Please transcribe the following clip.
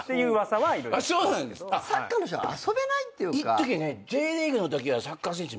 いっときねＪリーグのときはサッカー選手